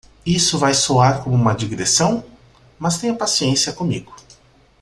Isso vai soar como uma digressão?, mas tenha paciência comigo.